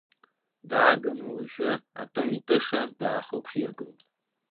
Дааганы уажәы атымитыша даахықәиргылт.